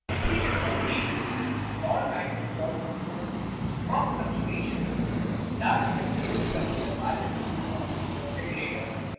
Secret combinations and all kinds of false rumors cause fluctuations large enough to use up the margins of the small speculator.